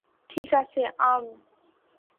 ঠিক আছে, আর্ম।